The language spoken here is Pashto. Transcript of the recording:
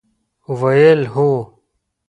ویل: هو!